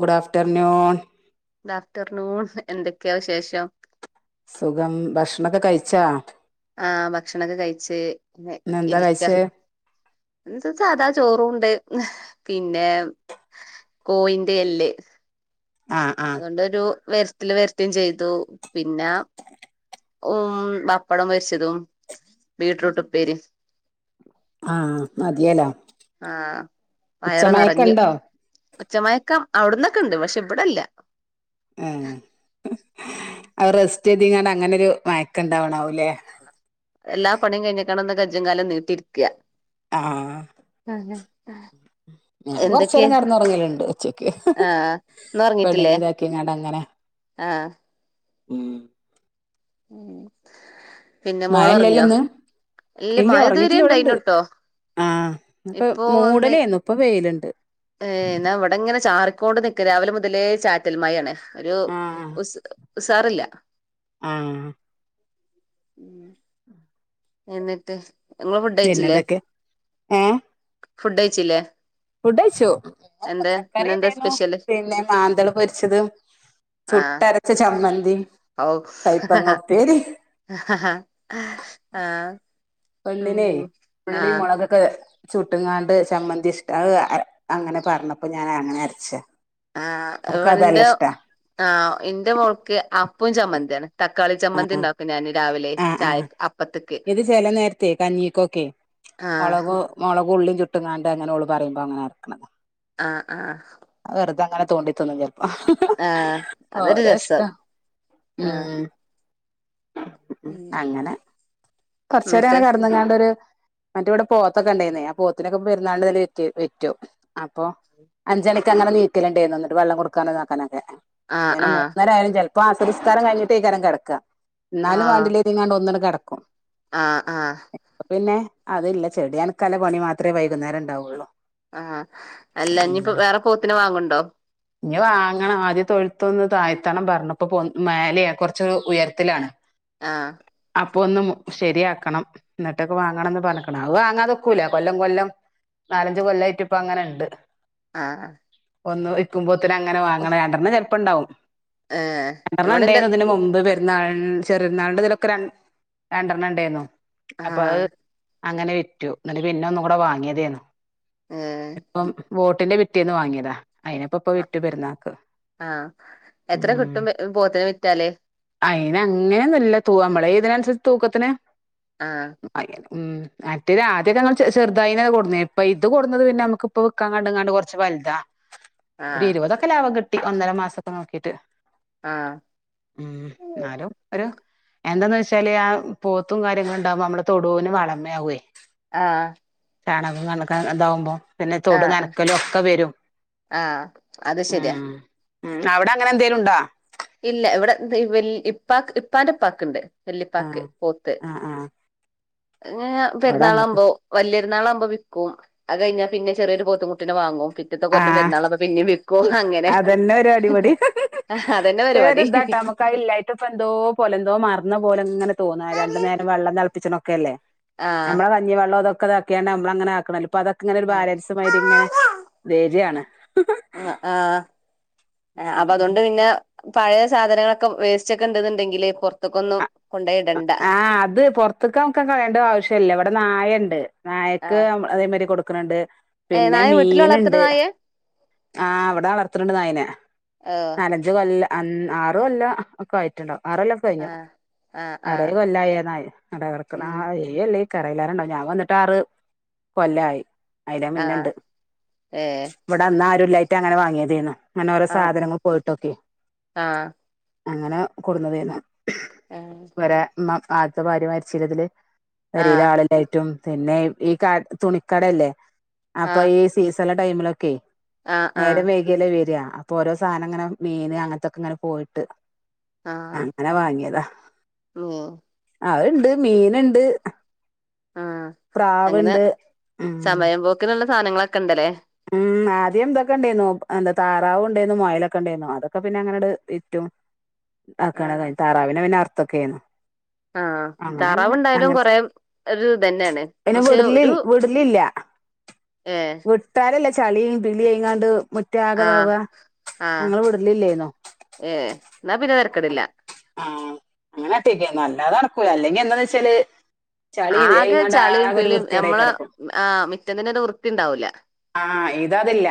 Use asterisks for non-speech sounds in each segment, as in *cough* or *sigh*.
ഗുഡ afternoon good afternoon, എന്തൊക്കെയാ വിശേഷം? സുഖം, ഭക്ഷണൊക്ക കഴിച്ചാ? ആ, ഭക്ഷണൊക്കെ കഴിച്ച് ഇങ്ങ ഇന്നെന്താ ഇരിക്ക്. കഴിച്ചേ ഇന്ന് ഇപ്പ സാധാ ചോറും ഉണ്ട്. പിന്നെ, കോയിന്റെ എല്ല് ആഹ് ആഹ് അതോണ്ടൊരു വെരട്ടല് വെരട്ടും ചെയ്തു. പിന്നെ, ഓം ബപ്പടം പൊരിച്ചതും ബീട്റൂട്ട് ഉപ്പേരി. ആഹ്, മതിയലലോ ആ ഉച്ചമയക്കണ്ടോ? ഉച്ച മയക്കം അവിട്ന്നൊക്കെ ഇണ്ട് പക്ഷെ ഇബടല്ല. ഏഹ് ഉം അഹ് റെസ്റ്റ്യ്തീക്കാണ്ട് അങ്ങനൊരു മയക്ക ഇണ്ടാവ്ണാവുല്ലേ. എല്ലാ പണിയും കഴിഞ്ഞിട്ടാണൊന്ന് കജ്ജും കാലും നീട്ടിര്ക്ക്. ആഹ് ഹാ ഹാ ഹ് ഞാൻ കൊറച്ചേരം കെടന്നൊറങ്ങലുണ്ട് ഉച്ചക്ക്. ഇഹ് ആ ഇഹ് പെണ്ണിനി ഇതാക്കിക്കാണ്ടങ്ങനെ. ആഹ് ഉം ഉം, പിന്നെ മോളൊറങ്ങിയോ? ഇല്ല്യ ഒറങ്ങിട്ടില്ല ഇവിടണ്ട്. ആഹ് ഇപ്പൊ ഇപ്പോ മൂടലേന്നു ഇപ്പ വെയില്ണ്ട്. ഏഹ്, ഇന്നാ ഇവിടിങ്ങനെ ചാറിക്കോണ്ട് നിക്ക രാവിലെ മുതലേ ചാറ്റൽ മഴേണ് ഒരു ആഹ് ഉസ് ഉഷാറില്ല ആഹ് ഉം എന്നിട്ട് നിങ്ങള് ഫുഡ്‌ കയിച്ചില്ലേ പിന്നെന്തൊക്കെ ഫുഡ് കയിച്ചില്ലേ ഫുഡ്കയിച്ചു ഇന്ന് കറി എന്താ എന്തായിരുന്നു സ്പെഷ്യല് പിന്നെ മാന്തള് പൊരിച്ചതും - ആഹ് ചുട്ടരച്ച ചമ്മന്തി കയ്പങ്ങ ഉപ്പേരി ഹ ഹ ഹ ഹ് ആഹ് കുഞ്ഞി *unintelligible* നേ ഉം ഉള്ളി ആഹ് മൊളക് ക്കെ ചുട്ടുംങ്ങാണ്ട് ചമ്മന്തി ഇഷ്ടാ അത് അങ്ങനെ പറഞ്ഞപ്പോ ഞാൻ അങ്ങനെ അരച്ചാ ആഹ് ഇവടിന്റെ ആഹ് ഇന്റെ മോൾക്ക് അപ്പൊം ചമ്മന്തിയാണ് തക്കാളി ചമ്മന്തി ആഹ് ഇണ്ടാക്കും ഞാന് രാവിലെ ആഹ് ചായ ആഹ് അപ്പത്തിക്ക് ഇത് ചില നേരത്തെ ആഹ് മൊളകും ഉള്ളിം ചുട്ടുംങ്ങാണ്ട് അങ്ങനെ ഓള് പറയുമ്പോ അങ്ങനെ അരക്കണതാ ആഹ് ആഹ് അത് വെറുതെ അങ്ങനെ തോണ്ടി തിന്നും ചെലപ്പോ ആഹ് അതൊരു ഓരോ രസം ഇഷ്ട്ടം ആഹ് ഉം ഉം അങ്ങനെ കൊറച്ച് നെരം എന്നിട്ട് അങ്ങനെ കെടന്നുങ്ങോണ്ടൊരു- മറ്റെവിടെ പോത്തൊക്കെ ഇണ്ടാരുന്നേ ആ പോത്തിനൊക്കെ പെരുന്നാളിലിങ്ങനെ വിറ്റു വിറ്റു അപ്പൊ- അഞ്ചരക്ക് അങ്ങനെണീക്കലുണ്ടേർന്നു എന്നിട്ട് വെള്ളം കൊടുക്കാന് നോക്കാനൊക്കെ ആഹ് ഇങ്ങനെ ആഹ് മൂന്നാര ആയാലും ചിലപ്പോ അസർ നിസ്കാരം കഴിഞ്ഞിട്ടേക്കാരം കിടക്ക എന്നാലും ആഹ് വണ്ടിലേത്ങ്ങാണ്ട് ഇനി ഞാൻ ഒന്നുകൂടെ കെടക്കും ഒന്നൂടെം കെടക്കും ആഹ് ആഹ് ഇപ്പൊ പിന്നെ അതില്ല ചെടിനക്കാനുള്ള പണി മാത്രേ വൈകുന്നേരം ഇണ്ടാവൊള്ളു ആഹ് അല്ല ഇനിയിപ്പോ വേറെ പോത്തിനെ വാങ്ങണ്ടോ ഇനി വാങ്ങണം ആദ്യം തൊഴുത്തൊന്ന് താഴ്ത്തണം പറഞ്ഞപ്പൊ മേലെയാ കൊറച്ചൊന്ന് ഉയരത്തിലാണ് ആഹ് അപ്പൊ ഒന്നും ശരിയാക്കണം എന്നിട്ടൊക്കെ വാങ്ങണംന്ന് പറഞ്ഞേക്കണ് അത് വാങ്ങാതൊക്കൂല്ല കൊല്ലം കൊല്ലം നാലഞ്ച് കൊല്ലായിട്ട് ഇപ്പൊ അങ്ങനെയിണ്ട് ആഹ് ഒന്ന് വിൽക്കുമ്പോത്തേന് അങ്ങനെ വാങ്ങെണ രണ്ടെണ്ണം ചെലപ്പോ ഇണ്ടാവും ഏഹ് രണ്ടെണ്ണം ഇവിടെന്റെ ഇണ്ടേരുന്നു ഇതിന് മുമ്പ്- പെരുന്നാൾ ചെറിയ പെരുന്നാളിന്റയ് ഇതിലൊക്കെ രൺ രണ്ടെണ്ണം ഇണ്ടേരുന്നു അപ്പൊ ആഹ് അത്- അങ്ങനെ വിറ്റു എന്നിട്ട് പിന്നെ ഒന്നും കൂടെ വാങ്ങിയതേയാന്ന് ഏഹ് ഇപ്പം- വോട്ടിന്റെ പിറ്റേന്ന് വാങ്ങിയതാ അയിനെപ്പൊ ഇപ്പൊ വിറ്റു പെരുന്നാക്ക് ആഹ് എത്ര ഉം കിട്ടും എ പോത്തിനെ വിറ്റാല് അയിന് അങ്ങനെയൊന്നുല്ല തൂ നമ്മളെ ഇയിനനുസരിച്ച് തൂക്കത്തിന്- ആഹ് ആ *unintelligible* ഉം മറ്റേത് ആദ്യം ഞങ്ങള് ചെറു ചെറുതായിന്നാ കൊട്ന്നേ ഇപ്പൊ ഇത് കൊടുന്നത് പിന്നെ നമുക്കിപ്പൊ വിൽക്കാ കണ്ട് എങ്ങാണ്ട് കൊറച്ച് വലുതാ ഒരു ആഹ് ഇരുപതൊക്കെ ലാഭം കിട്ടി ഒന്നര മാസൊക്കെ നോക്കിട്ട് ആഹ് ഊം എന്നാലും ഒരു- എന്താന്ന് വെച്ചാല് ആ പോത്തും കാര്യങ്ങളും ഇണ്ടാവുമ്പ നമ്മള് തൊടുവിന് വളമേയാവേ ആഹ് ചാണകം കണക്കാൻ ഇതാവുമ്പോ പിന്നെ തൊട് ആഹ് നനക്കലൊക്കെ വരും ആഹ് അത് ശരിയാ ഉം ഊം അവിട അങ്ങനെ എന്തേലുണ്ടാ ഇല്ല ഇവിടെ എന്ത് ഇ വല്യ ഇപ്പാക്ക് ഇപ്പാന്റെ ഇപ്പാക്കിണ്ട് വെല്ലിപ്പാക്ക് ആഹ് പോത്ത് ആഹ് ആഹ് ഇ *unintelligible* ങ്ങ ഞാ ഇവിടെ അങ്ങനത്തെ പെരുന്നാളാവുമ്പോ വല്യ പെരുന്നാളാവുമ്പോ വിക്കും അത് കഴിഞ്ഞാ പിന്നെ ചെറിയൊരു പോത്തും കുട്ടീനെ വാങ്ങും പിറ്റത്ത കൊല്ലം ആഹ് പെരുന്നാള അപ്പ പിന്നേം വിക്കും അങ്ങ അതന്നെ ഒര അടിപൊടി അതന്നെ പരിപാടി ശരി ഇതാട്ടാ നമുക്ക് ആ ഇല്ലായിട്ട് ഇപ്പ എന്തോ പോലെന്തോ മറന്ന പോലെ ഇങ്ങനെ തോന്നാ രണ്ടു നേരം വെള്ളം തെളപ്പിച്ച് നോക്കെല്ലേ ആഹ് നമ്മള വ ഇനി വള്ളതൊക്കെ ഇതാക്കിയാണ്ട് നമ്മള അങ്ങനെ ആക്കണല്ലൊ അപ്പൊ അതക്കെ ഇങ്ങനൊരു ആഹ് ബാലൻസ് മാരിങ്ങനെ വെര്യാണ് ആഹ് ആഹ് ഏഹ് ഉം അപ്പൊ ഉം അതുകൊണ്ട് പിന്ന പഴേസാധനങ്ങളൊക്കെ വേസ്റ്റെക്കെ ഇണ്ടന്ന്ണ്ടെങ്കില് പൊറത്ത്ക്കൊന്നും ആഹ് അത് പൊറത്ത്ക്ക് നമക്ക് കളയ ണ്ട ആവശ്യല്ല ഇവിടെ നായെണ്ട് നായ അത് ആഹ് നമ്മള് അതേമാരി കൊടുക്കണ്‌ണ്ട് ഏഹ് പിന്നെ നായ വീട്ടിൽ വളർത്തുന്ന മീന്ണ്ട് നായേ ആഹ് അവിടെ വളർത്തി ണ് ണ്ട് നായേനെ ഓഹ് നാലഞ്ച്- അഞ്ച് കൊല്ല അൻ ആറ് കൊല്ല ആ ആ ഒക്കെ ആയിട്ട്ണ്ടാവും ആറൊല്ലം ആഹ് ആഹ് ആഹ് അറേഴ് കൊല്ലായി ആ നായ് അതേ കെടക്കണ് ഉം ആയി *unintelligible* ഞാൻ വന്നിട്ട് ആറ് കൊല്ലായി അയ്ലേ ആഹ് മുന്നേണ്ട് ഏഹ് ഇവിടെ അന്ന് ആരുല്ലായിട്ട് അങ്ങനെ വാങ്ങീതേര്ന്നു അങ്ങനെ ഓരോ ആഹ് ഉം സാധനങ്ങൾ പോയിട്ടൊക്കെ ആഹ് അങ്ങനെ കൊടുന്ന തേരുന്ന് ആഹ് രേ ഇമ്മ ആദ്യത്തെ ഭാര്യ മരിച്ചേലതില് ആഹ് പെരേലാളി ഏറ്റും പിന്നെ ഈ കാലത്ത് തുണിക്കടേ ല്ലേ അപ്പൊ ആഹ് ഈ സീസണില ടൈമിലൊക്കെ ആഹ് നേരെ ആഹ് വെെകീല്ലേ വരാ അപ്പൊ ഓരോ സാനങ്ങന മീന് അങ്ങനത്തൊക്കെ ഇങ്ങന പോയിട്ട് ആഹ് അങ്ങനെ വാങ്ങിതാ ഊം അവയ്ണ്ട് മീന്ണ്ട് ആഹ് അങ്ങന ഉം സമയം പോക്കിനുള്ള സാനങ്ങളക്കെ ഇണ്ടല്ലേ ഉം ആദ്യം ഇതെക്കെ ഉണ്ടേയിന്നു എന്താ താറാവും ഉണ്ടായിരുന്നു മൊയാലക്കെ ഉണ്ടായിരുന്നു അതൊക്കെ പിന്ന അങ്ങനെ അങ്ങട് വിറ്റു ആക്കാനാ ആഹ് താറാവിനെ പിന്ന അർ ത്തൊക്കേരുന്നു ആഹ് താറാവുണ്ടായാലും കൊറേ ഒരു ഇതന്നേണേ അയ്ന വിട്ലിൽ വിടിലില്ല ഏ വിട്ട് തരില്ല ചളീം പിളിയെങ്ങാണ്ട് ആഹ് മുറ്റാഗതാവുക ഞങ്ങള് വിടലില്ലേയിന്നു ഏഹ് ന്നാ പിന്ന തരക്കേടില്ല ആഹ് അങ്ങനെറ്റൊയ്ക്ക് നല്ലാതെ നടക്കൂല്ല അല്ലെങ്കി എന്താന്ന് വെച്ചാല് ചളിയേയും ഏ ഇങ്ങാണ്ടാകെ ഒരു വൃത്തികേടായി കെടക്കും ആഹ് മാറ്റത്തിനു തന്നെ ഒരു വൃത്തിണ്ടാവൂല്ല ആഹ് ഇതതില്ല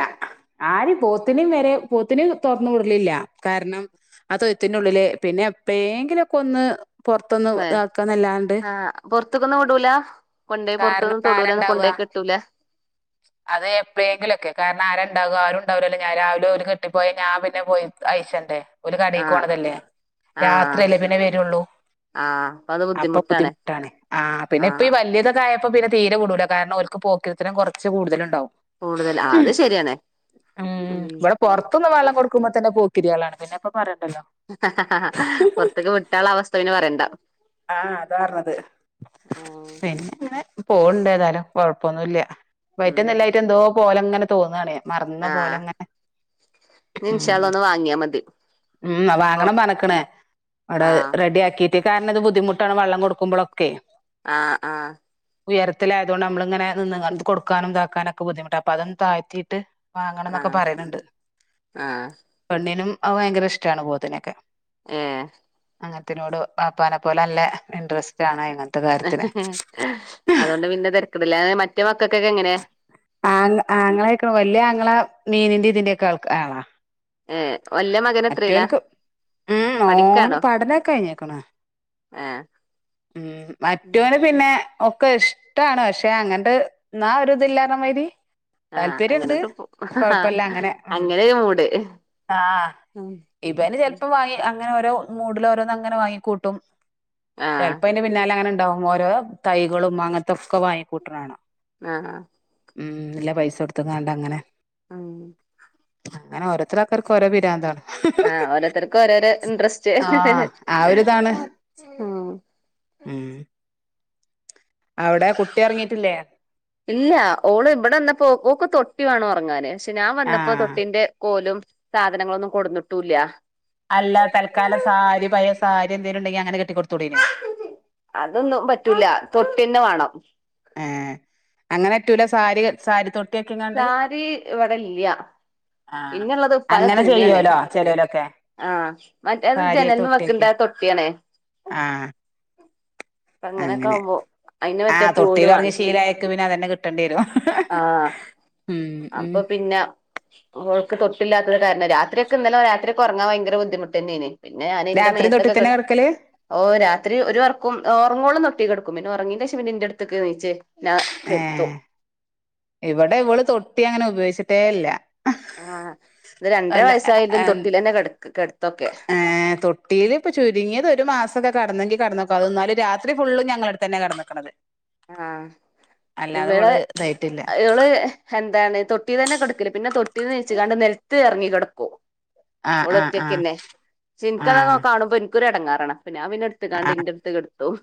ആര് പോത്തിനും വരെ പോത്തിന് തൊറന്നു വിടലില്ല കാരണം ആ തൊഴുത്തിന്റുള്ളില് പിന്നെ എപ്പോഴെങ്കിലു ഒക്കെ ഒന്ന് പുറത്തൊന്ന് ഇതാക്കാന്നല്ലാണ്ട് ആഹ് പൊർത്ത്ക്കൊന്നും വിടൂല്ല കൊണ്ടേ കാരണം പൊർത്തുനി ഇവിടെ തൊടീലൊന്നും ആരണ്ടാവുക കൊണ്ടേയ്ക്കെട്ടൂല്ല അത് എപ്പോഴെങ്കിലൊക്കെ കാര ആരുണ്ടാവും ആരു ണ്ടാവലല്ലോ ഞാൻ രാവിലെ ഒരു കെട്ടിപ്പോയി ഞാ പിന്നെ പോയി- ഐശന്റെ ഒരു ആ കടയിക്ക് പോണതല്ലേ ആ രാത്രിയല്ലേ പിന്നെ വരുള്ളൂ ആ അപ്പത് അപ്പൊ ബുദ്ധിമുട്ടാണ് ആ പിന്നെപ്പൊ ഈ വലിയത കായപ്പോ പിന്നെ തീരെ വിടൂല കാരണം ഓൽക്ക് പോക്കിരിത്തരം കുറച്ച് കൂടുതല ണ്ടാവും കൂടുതൽ ആ അത് ശരിയണേ ഇവിടെ പുറത്തുന്ന് വെള്ളം കൊടുക്കുമ്പോ തന്നെ പോക്കിരിയാളാണ് പിന്നെപ്പൊ പറയേണ്ടല്ലോ ഹാ ഹാ ഹാ പുറത്തേക്ക് വിട്ടുള്ള അവസ്ഥ പിന്നെ പറയണ്ട ആഹ് അതാ പറഞ്ഞത് ഉം പിന്നെ ങ്ങനെ പോണ്ട് ഏതായലും കൊഴപ്പൊന്നുല്ല പൈറ്റ നല്ലായിട്ട് എന്തോ പോലെ അങ്ങനെ തോന്നാണ മറന്ന പോലെ ങ്ങനെ ഞ്ഞി ഇൻശാഅല്ലാഹ്‌ ഒന്ന് വാങ്ങിയാ മതി ഉം ഓ വാങ്ങണം പറഞ്ഞ്ക്ക്ണേ അവിടെ ആ റെഡി ആക്കി ട്ട് കാരണം ഇത് ബുദ്ധിമുട്ടാണ് വെള്ളം കൊടുമ്പളൊക്കെ ആഹ് ആഹ് ഉയരത്തിലായതുകൊണ്ട് നമ്മള ഇങ്ങന നിന്ന്കാണ്ട് കൊടുക്കാനും താക്കാനൊക്കെ ബുദ്ധിമുട്ട് അപ്പ അതൊന്ന് തായ്തീട്ട് വാങ്ങണം ആ ന്നൊക്കെ പറയ്ണ്ണ്ട് ആ പെണ്ണിനും അ ഭയങ്കര ഇഷ്ടാണ് പോത്തിനൊക്കെ ഏഹ് അങ്ങനത്തിനോട് വാപ്പനെ പോലെ നല്ല ഇൻട്രറസ്റ്റ് ആണ് അയ്ന് അതോണ്ട് പിന്നെ തരക്കേടില്ല മറ്റേ മക്കൾക്കൊക്കെ എങ്ങനെയാ? ആ ആങ്ങളെക്ക വലിയ ആങ്ങള മീനിന്റെ ഇതിന്റെ ഒക്കെ ആൾ ആളാ ഏഹ് വല്ല്യ മക്ക് മറ്റോൻക്ക് ഉം ഓന് പഠനൊക്കെ കഴിഞ്ഞേക്ണ് ആഹ് ഉം മറ്റോന് പിന്നെ ഒക്കെ ഷ്ടാണ് പക്ഷെ അങ്ങൻതെ ന്നാ ഒരു ഇതില്ലാന്ന മതിരി ആ താല്പര്യണ്ട് അങ്ങനെട്ട് പോ കൊഴപ്പല്ല അങ്ങനെ ഉം ഒരു മൂട് ആ ഇബന് ചെൽപ്പോ വാങ്ങി അങ്ങനെ ഓരോ മൂഡിൽ ഓരോന്നും അങ്ങനെ വാങ്ങിക്കൂട്ടും ആ ചെൽപ്പൈന്റെ പിന്നാലെ ങ്ങനെണ്ടാവും ഓരോ തൈകളും അങ്ങൻത്തെ ഒക്കെ വാങ്ങിക്കൂട്ടണാണ ആഹ് അഹ് ഉം ഇല്ല പൈസ കൊടുത് കാണ്ടങ്ങനെ ഉം അങ്ങനെ ഓരുത്തരാൾക്കാർക്ക് ഓരോ പിരാന്താണ് ആഹ് ഓരോത്തർക് ഓരോരോ ഇൻട്രസ്റ്റ് ആഹ് ആ ഒരിതാണ് ഉം ഉം അവ്ടെ കുട്ടി ഒറങ്ങിട്ടില്ലേ? ഇല്ല ഓള് ഇവടെ വന്നപ്പോ ഓക്ക് തൊട്ടി വേണോറങ്ങാൻ പക്ഷെ ഞാൻ വന്നപ്പോ ആഹ് തൊട്ടിന്റെ കോലും സാധനങ്ങളൊന്നും കൊടുന്നിട്ടൂല്ല അല്ല തൽക്കാല സാരി പയ സാരി എന്തേലുണ്ടെങ്കിൽ അങ്ങനെ കെട്ടി കൊടുത്തൂടെയ്നോ അതൊന്നും പറ്റൂല തൊട്ടിന്നെ വേണം ഏഹ് അങ്ങനറ്റൂല്ല സാരി സാരി തൊട് സാരി വട ഇല്ല്യ ആഹ് അങ്ങനെ ചെയ്യോലോ ചെ ലോലൊക്കെ ആഹ് മറ്റേ അത് ജനൽ മ്മേ വെക്കണ്ട തൊട്ടിയാണേ ആഹ് അങ്ങനെയൊക്കെ ആവ്മ്പോ ആ തൊട്ടിൽ ഒറങ്ങി ശീലായക്ക് പിന്നെ അതന്നെ കിട്ടേണ്ടി വരും ആഹ് ഉം ഉം അപ്പൊ പിന്നെ ഓൾക്ക് തൊട്ടില്ലാത്തത് കാരണം രാത്രി ഒക്കെന്നലെ രാത്രി ഒക്കെറങ്ങാൻ ഭയങ്കര ബുദ്ധിമുട്ടന്നെണ് പിന്നെ ഞാൻ ന്റെ രാത്രി തൊട്ടി മേത്തൊക്കെ കെ തന്നെ കെടക്കല് ഓ രാത്രി ഒരു വർക്കും ഒറങ്ങോളം തൊട്ടി കെടുക്കും പിന്നെ ഒറങ്ങീൻ്റേശം പിന്നെ എൻ്റെ അടുത്ത്ക്ക് നീച്ച് കെട്ത്തും ഏഹ് ഇവടെ ഇവള് തൊട്ടി അങ്ങനെ ഉപയോഗിച്ചിട്ടേ ഇല്ല. ആഹ് ഇത് രണ്ടര വയസ്സായിട്ടും അല്ല തൊട്ടീലെന്നെ കെടുത്തൊക്കെ ഏഹ് തൊട്ടീല് പോ ചുരുങ്ങിയത് ഒരു മാസക്കെ കടന്നെങ്കിൽ കടന്നു *unintelligible* അതൊന്നാലും രാത്രി ഫുള് ഞങ്ങള അടുത്തന്നെ കടന്ന് ക്ക്ണത് ആഹ് ഇവടെ ഇവള് ഇതായിട്ടില്ല *unintelligible* എന്താണ്, തൊട്ടിതന്നെ കെട്ക്കൽ പിന്നെ തൊട്ടീന്ന് നീച്ചുകാണ്ട് നെൽത്ത് ഇറങ്ങി കിടക്കും. ആഹ് ഓള് ആഹ് ആഹ് ഒറ്റക്കെന്നെ ച്ഇൻക്കാ ആഹ് കാണുമ്പ ക്കൊരു എടങ്ങേറാണ്. അപ്പ ഞാൻ പിന്നെ ഇട്ത്ത്കാണ്ട് ആഹ് ഇന്റെട്ത്ത് കെട്ത്തും.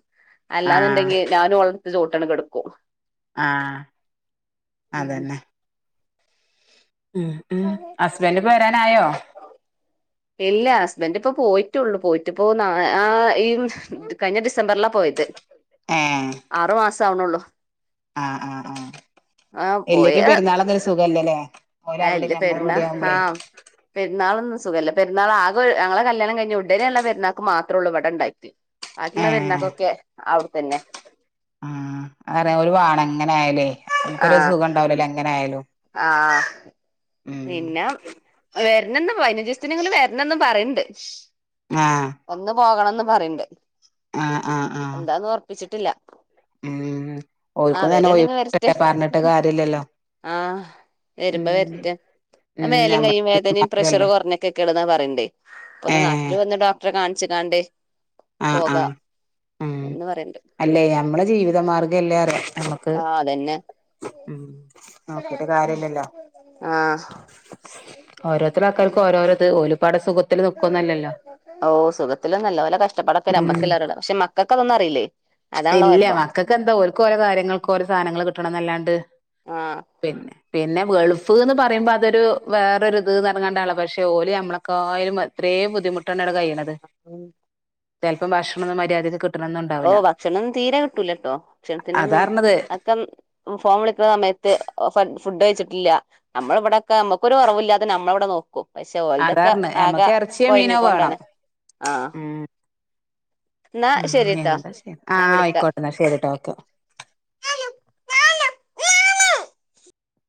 ആഹ് അല്ലാന്നുണ്ടെങ്കി ഞാനും ഓള് ചോട്ടെണ് കെട്ക്കും. ആഹ് അതന്നെ ഉം ഉം ഹസ്ബൻ്റ് പോ വരാനായോ? ഇല്ല ഹസ്ബന്റ് ഇപ്പൊ പോയിട്ടുള്ളു പോയിട്ടിപ്പോ ആഹ് ഈ കഴിഞ്ഞ ഡിസംബറിലാ പോയത് ഏഹ് ആറ് മാസം ആവ്ണോള്ളൂ ആഹ് ആഹ് ആഹ് ആ ഇല്ലെങ്കി പെരുന്നാളൊക്കെ ഒരു സുഖല്ലലെ? ഹേ ഇല്ല പെര്ന്നാ ആഹ് പെര്ന്നാളൊന്നും സുഖല്ല പെരുന്നാള് ആകെ ഒര് ഞങ്ങളെ കല്യാണം കഴിഞ്ഞ ഉടനെള്ളെ പെരുന്നാക്ക് മാത്രള്ളൂ ഇവിടെ ഇണ്ടായി ബാക്കിള്ളെ ഏഹ് പെരുന്നാക്കോക്കെ അവിടെത്തന്നെ ആഹ് അ ഓല് വാണം എങ്ങനെ ആയാലും നമുക്കൊരു സുഖം ഉണ്ടാവൂലല്ലോ എങ്ങനെ ആയാലും ആഹ് ഉം പിന്നം വരണം ന്ന് പതിനഞ്ച്സത്തിനെങ്കിലും വരണംന്ന് പറിണ്ട് ആഹ് വന്ന് പോകണംന്ന് പറീണ്ട് ആഹ് ആഹ് ആഹ് എന്താന്ന് ഒർപ്പിച്ചിട്ടില്ല ഉം ആഹ് വരാണെങ്ങി വരട്ടെ ട്ട് ഇല്ലല്ലോ ആഹ് വരുമ്പം വെര്റ്റെ ഉം മേലും ഞമ്മ കൈയ്യും വേദനിം പ്രഷർ മാർഗല്ലേ കോർഞ്ഞ ട്ത്ത്ക്ക്ണ് ന്നാ പറിണ്ട് ഇപ്പൊ ഏ ഒന്ന് നാട്ടില് വന്ന് ഡോക്ടറെ കാൺച്ച് കാണ്ട് ആഹ് പോകാ ആഹ് ഉം എന്ന് പറീണ്ട് അല്ലേ നമ്മളെ ജീവിത മാർഗ്ഗംല്ലേറിയ ആഹ് അതന്നെ ഉം നോക്കിട്ട് കാര്യല്ലല്ലോ ആ ഓരോരുത്തര ആൾക്കാർക്ക് ഓരോരത് ഓല്പാടെ സുഖ ഓ സുഖത്തിലൊന്നല്ല ഓലെ കഷ്ടപ്പാടൊക്കെ ഉം നമ്മക്കല്ലെറിള്ളു പക്ഷെ മക്കൾക്കതൊന്നും അറിയില്ലെ ഇല്ല മക്കക്ക് എന്താ ഓൽക്ക് ഓലെ കാര്യങ്ങൾക്ക് ഓരോ സാനങ്ങൾ കിട്ടണംന്നല്ലാണ്ട് ആ പിന്നെ പിന്നെ ഗൾഫ്ന്ന് പറയുമ്പോ അതൊരു വേറെ ഒരു ഇത് ന്ന് അർഞ് കാണ്ടാണല്ലോ പക്ഷെ ഓല് നമ്മളെക്കായും ഇത്രേ ബുദ്ധിമുട്ടാണ് അവിടെ കഴിണത് ഉം ചെൽപ്പം ഭക്ഷണംന്നും മര്യാദക്ക് കിട്ട്ണന്നും ഉണ്ടാവുല ഭക്ഷണൊന്നും തീരെ കിട്ടൂലട്ടോ ഭക്ഷണത്തിന്റെ ഒന്നും അതാർഞ്ഞത് ഒക്കെ ഫോൺ വിളിക്ണ സമയത്ത് ഫുഡ് കഴിച്ചിട്ടില്ല നമ്മളെ ഇവിടെക്കെ നമ്മക്കൊരു കോറോവുല്ലാതെ നമ്മൾ ഇവിടെ നോക്കും. പക്ഷെ ഓൽതൊക്കെ അതാർഞ്ഞ് ആകെ ഞമ്മക്ക് എറച്ചിയോ മീനോ വേണം. കൊഴഞ്ക്കൊണ്ടാണ് ആഹ് ഉം ഇന്നാ ഉം ശെരി ആഹ് അയ്ക്കോട്ടെ എന്നാ ശെരിട്ടോ ഓക്കെ